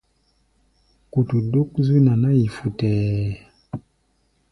Kutu dúk zú naná-yi futɛɛ.